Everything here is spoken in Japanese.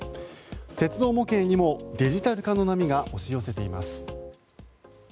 鉄道模型にもデジタル化の波が押し寄せています。